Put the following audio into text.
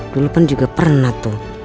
dulu pun juga pernah tuh